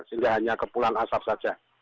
sehingga hanya kepulan asap saja